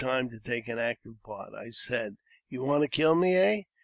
BECKWOUBTH, 359 to take an active part. I said, "You want to kill me, eh?